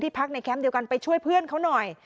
พักในแคมป์เดียวกันไปช่วยเพื่อนเขาหน่อย